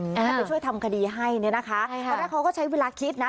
ให้ไปช่วยทำคดีให้เนี่ยนะคะตอนแรกเขาก็ใช้เวลาคิดนะ